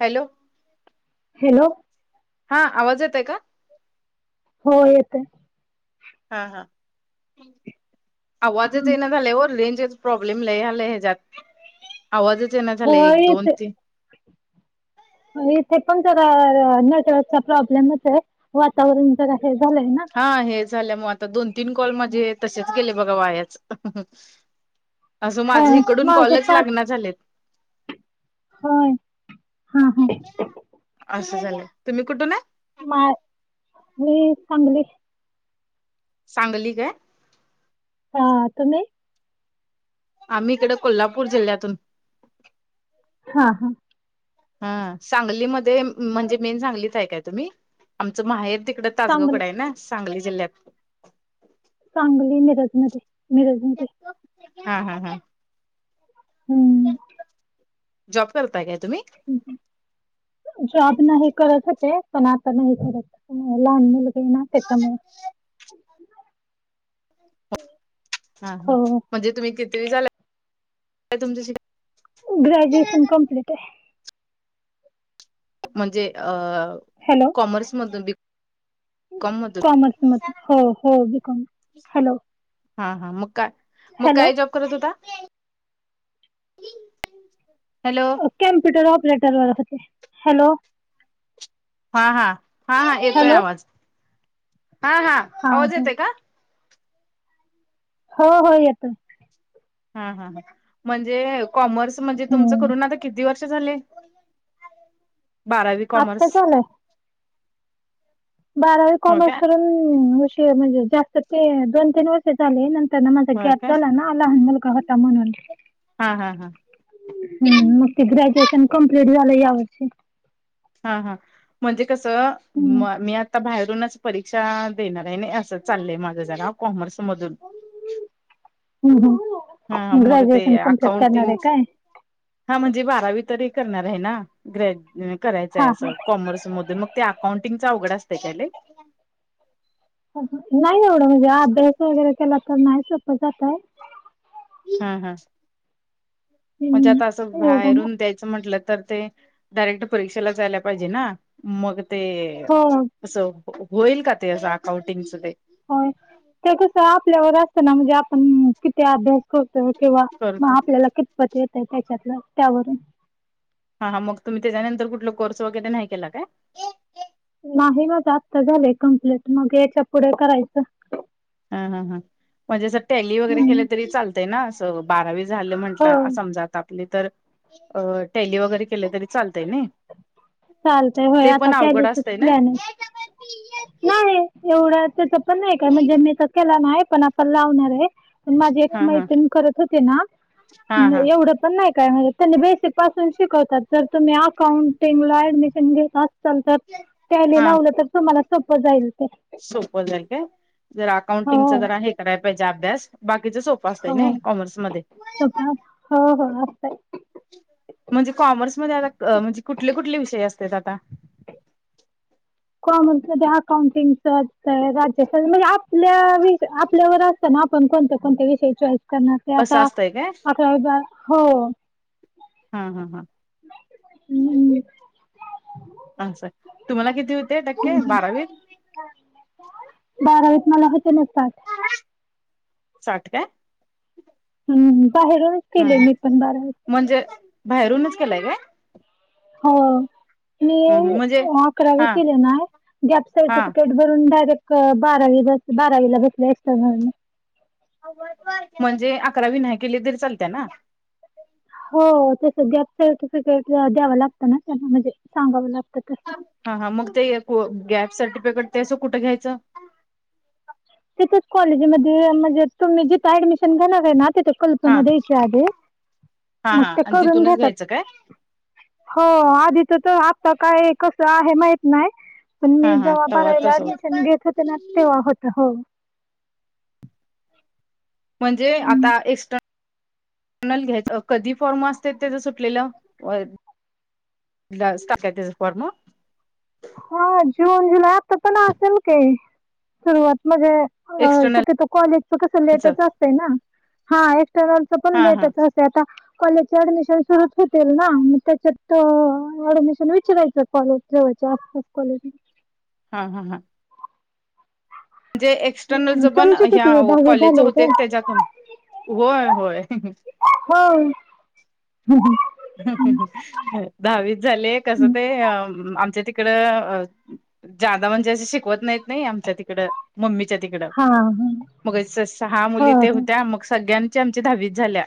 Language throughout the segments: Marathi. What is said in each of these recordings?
हॅलो! हॅलो! हा आवाज येत आहे का? हो येते. हा हा आवाजच ना झालेवर रेंज प्रॉब्लेम ल आला हच्यात आवाजच आहे ना हो झाला एक दोन येते ती इथे पण ज नेटवर्कचा प्रॉब्लेमच आहे वर ज हे झालंय हा हे झाल्या मग आता दोन तीन कॉल माझे तसेच गेले बघा वायाच. असं माझ होय इकडून माझे कॉलच पाच लागणार झालेत. होय. हां हां असं झालय तुम्ही कुठून आहे? मा मी चांगली. सांगली काय? हा तुम्ही? आम्ही इकडे कोल्हापूर जिल्ह्यातून हा हा. हा सांगलीमध्ये म्हणजे मेन सांगलीतऐ काय तुम्ही आमचं माहेर तिकड तासगाव सांगली कड आहे ना सांगली जिल्ह्यात सांगली मिरजमध्ये मिरजमध्ये हा हा हा. हम्म‌. जॉब करताय काय तुम्ही? जॉब नाही करत होते पण आता नाही करत लहान मुलं ना त्याच्यामु हा हा म्हणजे तुम्ही किती झाला तुम शिक ग्रॅज्युएशन कम्प्लीट आहे म्हणजे अ हॅलो कॉमर्स म कॉमर्स म हो हो बिकॉम हॅलो हा हा मुका हॅलो मुकाय जो होता हॅलो कम्प्युटर ऑपरेटर व होते हॅलो हा हा हा हा येतोय हॅलो आवाज हा हा आवाज येते का हो हो येतो हा हा म्हणजे कॉमर्स म्हणजे तुमच हम्म. करून आता किती वर्ष झाले बारावी आत्ता कॉमर्स झालंय बारावी हो कॉमर्स का करून म्हणजे जास्त ते दोन तीन वाज झाले नंतर ना माझा हो ग्याप का झाला ना लहान मुलगा होता म्हणून हा हा हा हम् मग ते ग्रॅज्युएशन कमप्लीट झालं यावर्षी हा हा म्हणजे कस हम्म म मी आता बाहेरूनच परीक्षा देणार आहे नाही असं चाललंय माझं जरा कॉमर्स मधून हम् ह हा मग ते ग्रॅज्युएशन कम्प्लीट करणार अकाउंटिंग आहे काय हा म्हणजे बारावी तरी करणार आहे ना ग्रॅज हा करायचंय हा. असं कॉमर्स मधून मग ते अकाउंटिंगचा उघड असते त्याला नाही एवढं म्हणजे अभ्यास वगैरे केला तर नाही सोपं जातय हा हा म्हणजे हम्म आता असं एवढं ना बाहेरून द्यायचं म्हंटलं तर ते डायरेक्ट परीक्षेला जायला पाहिजे ना मग ते हो असं होईल का ते अस अकाउंटिंग सुधे होय ते कस आपल्यावर असत ना म्हणजे आपण किती अभ्यास करतोय किंवा करत मग आपल्याला कितपत येत आहे त्याच्यातलं त्यावरून हा हा मग तुम्ही त्याच्यानंतर कुठला कोर्स वगैरे नाही केला काय नाही म आत्ता झाले कमप्लीट मग याच्या पुढे करायचं ह ह ह म्हणजे अस टॅली वगैरे हम्म केलं तरी चालतय ना बारावी झालं हो म्हंटलं समज आपली तर अ टेली वगैरे केले तरी चालतय ना चालतय होय ते आता पण अवघड टॅलीचच असतय ना प्लॅन आहे. नाही एवढ त्याच पण नाही का म्हणजे मी तर केला नाही पण आपण लावणार आहे पण माझे एक हा हा मैत करत होते ना हा हा एवढं नाही काय म्हण त्यांनी बेसिक पासून शिकवतात जर तुम्ही अकाउंटिंगला ऍडमिशन घेत सतात त्यायले हा लावलं तर तुम्हाला सोपं जाईल ते सोपं जर का जर हो अकाउंटिंगच जरा हे करायला पाहिजे अभ्यास बाकीचं सोप नाही हो कॉमर्स म सगळं हो हो असतंय म्हणजे कॉमर्समध्येध्ये आता म्हणजे कुठले कुठले विषय असतात आता कॉमर्समध्ये अकाउंटिंगच असत राज्या म्हणजे आपल्या विष आपल्यावर असतं ना कोण कोणत्या कोण्या विषयी ते असं आता असतंय काय अकरा हो हा हा हम्म अस तुम्हाला किती होते टक्के बारावी बारावीस मला होते न पाठ साात का हम्म बाहेरूनच ह केले ह मी पण बारावी म्हणजे बाहेरूनच केलाय का हो, मी हम्म हम्म म्हणजे अकरावी हा केले ना गॅप हा सर्टिफिकेट भरून. डायरेक्ट बारावी ब बारावीला बसले असतेय म्हणून म्हणजे अकरावी नाही केली तरी चालत ना. हो, ते गॅप सर्टिफिकेट द्यावं लागतं ना. त्यांना म्हणजे सांगावं लागतं तर. हा, हा मग ते गॅप सर्टिफिकेट ते असं कुठं घ्यायचं? तिथच कॉलेजमध्ये म्हणजे तुम्ही जिथं ऍडमिशन घेणार आहे ना तिथं हा द्यायचे हा मग हा ते इथ आणि करून तिथूनच घेतात. घ्यायचं काय हो, आधीच तर आता काय कसं आहे माहित नाही. पण हा मी हा जव्हा तवा बारावीला तस होत ऍडमिशन घेत होते ना तेव्हा होतं हो. ह [inaudible] म्हणजे आता एक्स्टर्नल घ्यायचं. कधी फॉर्म असत्यात त्याचं सुटलेलं व टाकायच त्याच फॉर्म. हा जून जुलै आता पण असेल काय सुरुवात म्हणजे, एक्स्टर्नलच शक्यतो कॉलेज च कस लेटच असत ना. हा एक्सटर्नलच पण हा हा लेटच असत. ते आता कॉलेज ऍडमिशन सुरूच होतील. ना मग त्याच्यात ऍडमिशन विचारायचं कॉलेज तेन. चषास कवालेिटी [unintelligible] हा हा हा म्हणजे एक्सटर्नलच पण तुमची ह्या कितवी कॉलेजच झाली होते. का? त्याच्यातून होय होय. होम [unintelligible] हम ह दहावीच झाले. कस ते आमच्या ती कड जादा म्हणजे असे शिकवत नाहीत नाही आमच्या तिकडं. मम्मीच्या तिकडं हां, हां. मग सहा हो, मुली ते हो. होत्या मग, सगळ्यांची आमची दहावीच झाल्या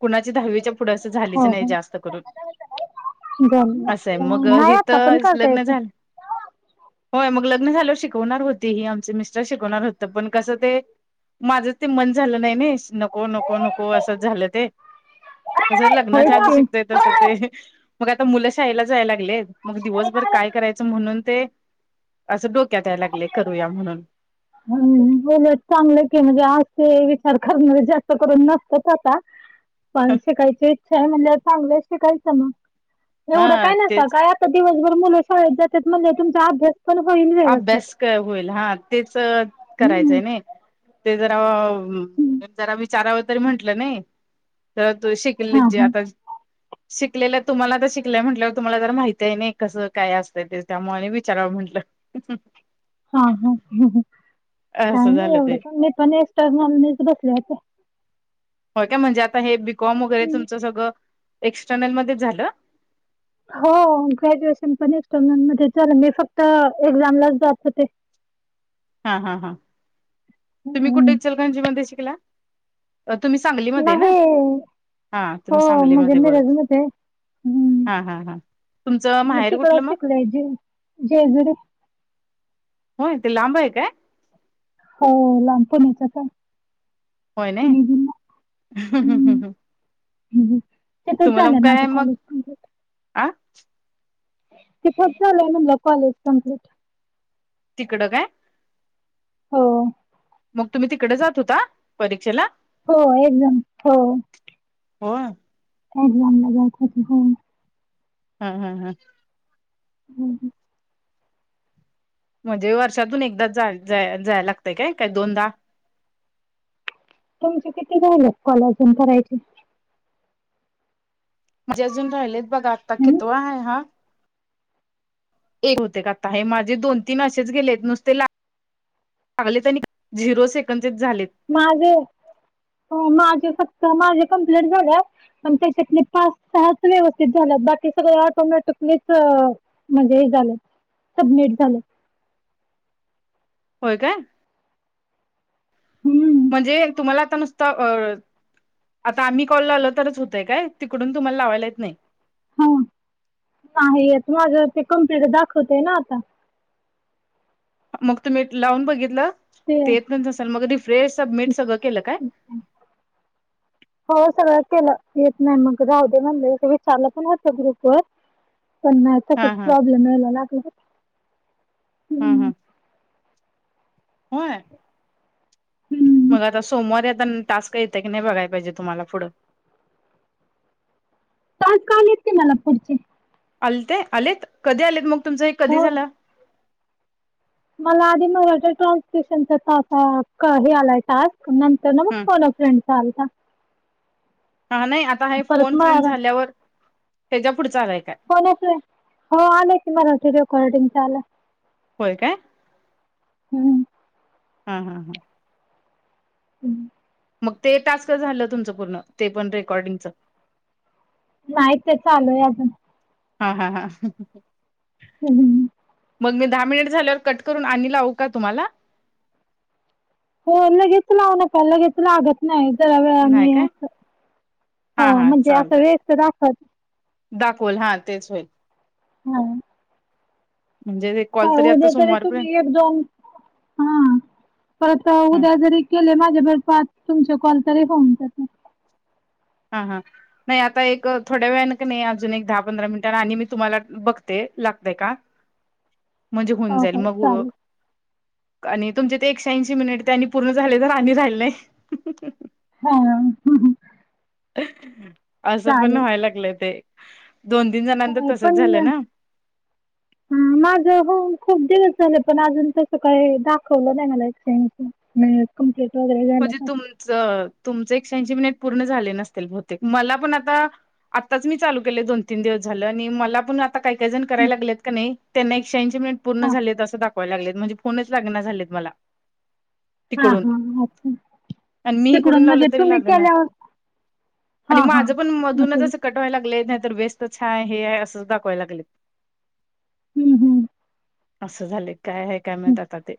कुणाची दहावीच्या पुढे अस झालीच हो, नाही. हो. जास्त करून, जमलं. असं आहे. मग नाही आता पण हितं करता लग्न येतंय. झालं. होय. मग लग्न झाल्यावर शिकवणार होती ह आमचे मिस्टर शिकवणार होत पण कसं ते, माझं ते मन झालं नाही ना. नको, नको, नको असं झालं ते कसं लग्न होय च्या आधी की. शिकतोय. तस ते, मग आता मुलं शाळेला जाय लागलेत मग दिवसभर काय करायचं म्हणून ते, असं डोक्यात यायला लागले करूया म्हणून. हम् हो ना चांगलं की म्हणजे आज ते विचार करनारे जास्त करून नसतच आता. ह [inaudible] पण शिकायची इच्छा आहे म्हटल्यावर. चांगल शिकायचं मग एवढं हा काय नस तेच काय दिवसभर मुले शाळेत जात्यात म्हणलावर तुमच अभ्यास. पण होईल व्यवस्थित. अभ्यास क होईल हा तेच हं. करायचंय नाही. ते जरा हं. म्ह जरा विचाराव तरी म्हंटलं नाही. तर तू शिकली हां, जी हां. आता शिकलेलं तुम्हाला तर शिकलंय म्हटलंवर तुम्हाला जर माहिती आहे. नाही कसं काय असतं. ते त्यामुळे विचारावं म्हटलं. अच्छा [unintelligible] हा ह काय असं नाही. झालं एवढं ते पण मी पण एक्सटर्न बसले आता. हो, काय म्हणजे आता हे बी कॉम वगैरे हं. तुमचं सगळं एक्सटर्नल मध्येच झालं. हो, ग्रॅज्युएशन पण एक्सटर्नल मध्ये झालं. मी फक्त एक्झामलाच जात होते. हा हा हा तुम्ही कुठे हं. इचलकरंजी मध्ये शिकला? अ तुम्ही सांगलीमध्ये ना नाही हा हो तुम्ही म्हणजे सांगलीमध्ये बरोबर. मिरजमध्ये हं. हा हा हा तुमचं मी माहेर तिकड कुठलं मग शिकलोय जे जेजुरीत. होय ते लांब आहे काय? हो, लांब पण होत पण. होय नाय. इथंच झालंय माझं काय मग कॉलेज. कम्प्लीट आ किती [unintelligible] म्हणलं कॉलेज कंप्लीट तिकडं काय? हो मग तुम्ही तिकडे जात होता, परीक्षेला? हो, एक्झाम हो होय एक्झामला [unintelligible] हा हा हा हम्म हम्म म्हणजे वर्षातून एकदा जा जायला लागतय काय, काय दोनदा? तुमचे किती झाले कॉल अजून करायचे. म्हणजे अजून राहिलेत बघा, आता हम्म कितवा आहे हा? एक होते का आता, हे माझे दोन तीन असेच गेलेत नुसते ला लागलेत आणि झिरो सेकंदचेच झालेत. माझे, हो माझे फक्त माझे कंप्लिट झाल्या. पण त्याच्यातले पाच सहाच व्यवस्थित झाल्यात, बाकी सगळे ऑटोमॅटिकलीच अ म्हणजे हे झालं, सबमिट झालं. होय काय? हम्म म्हणजे, तुम्हाला आता नुसतं अ आता आम्ही कॉल लावला तरच होतय काय, तिकडून तुम्हाला लावायला येत नाही? हा, नाही येत माझं ते कम्प्लेंट दाखवते ना आता. मग तुम्ही लावून बघितलं, ते येतच नसल मग रिफ्रेश, सबमिट सगळं केलं काय? [inaudible] हो सगळं केलं, येत नाही मग राहू दे म्हणलं, विचारलं पण होतं ग्रुपवर पण नाही, तसच हा हा प्रॉब्लेम यायला लागलाय. हम्म हम्म होय? हम्म मग आता सोमवारी आता टास्क येतं की नाही, बघाय पाहिजे तुम्हाला पुढं. टास्क आलेत की मला पुढचे. आलते आलेत, कधी आलेत मग तुमचं एक कधी हो झालं? मला आधी मग वाटलं ट्रान्सपेशन तास अ हे आलाय टास्क. नंतरन मग हम्म फोन अ फ्रेंड चा आलता. हा नाही आता हे परत फोन फ्रीन्ड मरा झाल्यावर, तेच्या पुढचा आलाय का? कोणाचय हो आलंय की मला ते रेकॉर्डिंगचं आलं. होय काय? हम्म हा हा हा [unintelligible] मग ते टास्क झालं तुमचं पूर्ण, ते पण रेकॉर्डिंगचं. नाही ते चालूय अजून. हा हा हा [unintelligible] मग मी दहा मिनिट झाल्यावर कट करून आणि लावू का तुम्हाला? हो लगेच लावू नका लगेच लागत नाही जरा वेळाने नाही काय असं, हो हा हा म्हणजे असं चालतंय व्यस्त दाखत दाखवल हा तेच होईल. हा म्हणजे ते कॉल काय आता उद्या तरी सोमवारपर्यंत तुम्ही एक दोन हा परत हा उद्या जरी केले माझ्या बरोबर पाच तुमचे कॉल तरी होऊन जातात. हा हा. नाही आता एक थोड्या वेळ न का नाही अजून एक दहा पंधरा मिनिटां आणि मी तुम्हाला बघते लागतय का? म्हणजे होऊन हो जाईल हो मग चालेल आणि तुमचे ते एकशेऐंशी मिनिट ते आणि पूर्ण झाले तर आणि राहिले नाही. हा असं पण चालेल व्हाय लागलं ते दोन तीन जणांच ह तसंच पण झालं ना [inaudible] ह माझ हो खूप दिवस झाले पण अजून तसं काही दाखवलं नाही मला एकशेऐंशी. कंप्लेट वगैरे झालं म्हणजे का. तुमचं एकशेऐंशी मिनिट पूर्ण झाले नसतील बहुतेक मला पण आता आत्ताच मी चालू केले दोन तीन दिवस झाले आणि मला पण काही काही जण कराय लागत का नाही त्यांना एकशऐंशी मिनिट पूर्ण हा झाले आहेत असं दाखवाय लागलेत म्हणजे फोनच लाग झालेत मला. हा तिकडून हा अच्छा. आणि मी इकडून तिकडून लावलं म्हणजे तरी तुम्ही लाग ना केल्यावर आणि हा हा माझ पण असं मधूनच कटवाय लागलेत नाही तर वेस्टच हाय हे आहे असंच दाखवायला लागलेत. हं, हं, असं झाले काय आहे काय हं. माहीत आता ते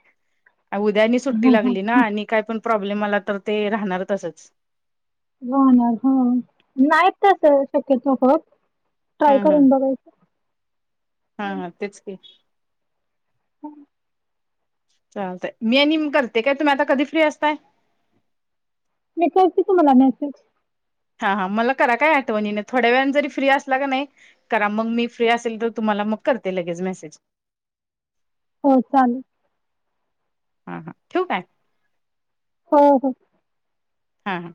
उद्यानी सुट्टी हां, हां, लागली ना हां. आणि काय पण प्रॉब्लेम आला तर ते राहणार तसंच. हो‌ ना हो नाही तस शक्यतो होत. हा ट्राय हा करून बघायचं. हा हा तेच की. हम् चालतय मी आणि करते काय तुम्ही आता कधी फ्री असताय? मी करते तुम्हाला मेसेज. हा हा मला करा काय आठवणीन थोड्या वेळ जरी फ्री असला का नाही करा मग मी फ्री असेल तर तुम्हाला मग करते लगेच मेसेज. हो चालेल. हा हा ठेवु काय हो हो हा ह